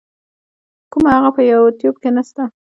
کوومه هغه په یو يټیوب کی نسته.